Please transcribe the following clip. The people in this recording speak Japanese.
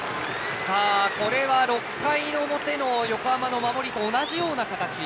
これは６回表の横浜の守りと同じような形。